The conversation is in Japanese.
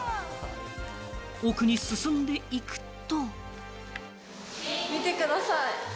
奥に進んでいくと。